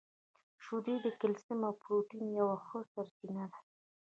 • شیدې د کلسیم او پروټین یوه ښه سرچینه ده.